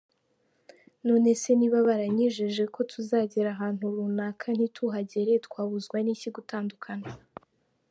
None se niba baranyijeje ko tuzagera ahantu runaka ntituhagere, twabuzwa n’iki gutandukana?".